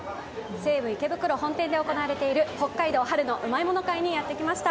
西武池袋本店で行われている北海道うまいもの会にやってきました。